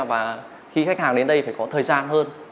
và khi khách hàng đến đây phải có thời gian hơn